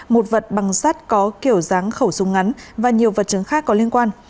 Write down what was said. một vật bằng sắt có kiểu dáng khẩu súng ngắn và nhiều vật chứng khác có liên quan